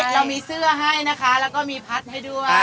เรามีเสื้อให้นะคะแล้วก็มีพัดให้ด้วย